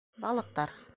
Балыҡтар: